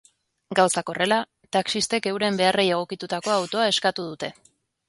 Gauzak horrela, taxistek euren beharrei egokitutako autoa eskatu dute.